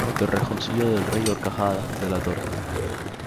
Torrejoncillo del Rey-Horcajada de la Torre.